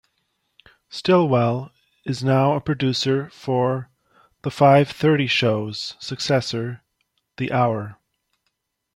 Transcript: Stillwell is now a producer for "The Five Thirty Show"'s successor, "The Hour".